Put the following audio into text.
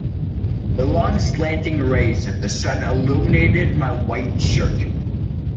The long, slanting rays of the sun illuminated my white shirt.